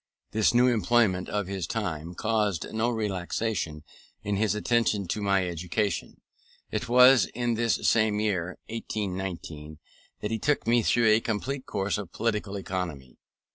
This new employment of his time caused no relaxation in his attention to my education. It was in this same year, 1819, that he took me through a complete course of political economy.